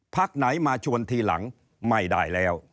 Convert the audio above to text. พักไหนมาชวนทีหลังไม่ได้แล้ว